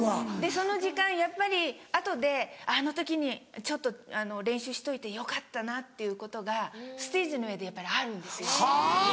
その時間やっぱり後であの時にちょっと練習しといてよかったなっていうことがステージの上でやっぱりあるんですよ。